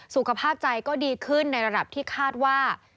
สุขภาพใจก็ดีขึ้นในระดับที่คาดว่า